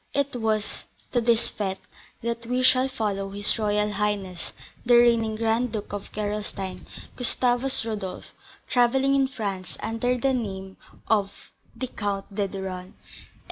It was to this fête that we shall follow his royal highness, the reigning Grand Duke of Gerolstein, Gustavus Rodolph, travelling in France under the name of the Count de Duren.